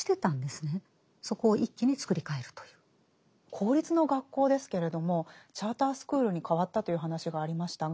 公立の学校ですけれどもチャータースクールに変わったという話がありましたが。